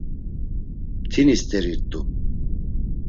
Mtini steri rt̆u.